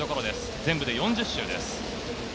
全部で４０周です。